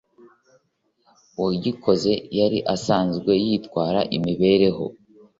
Uwagikoze yari asanzwe yitwara imibereho